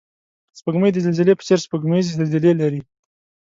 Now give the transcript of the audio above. سپوږمۍ د زلزلې په څېر سپوږمیزې زلزلې لري